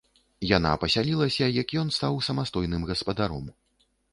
Яна пасялілася, як ён стаў самастойным гаспадаром.